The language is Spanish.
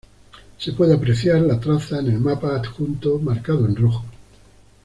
Se puede apreciar la traza en el mapa adjunto marcado en rojo.